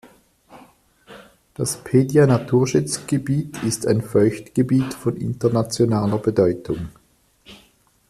Das Pedja-Naturschutzgebiet ist ein Feuchtgebiet von internationaler Bedeutung.